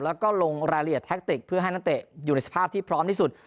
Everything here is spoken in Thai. แล้วก็ลงรายละเอียดแท็กติกเพื่อให้นักเตะอยู่ในสภาพที่พร้อมที่สุด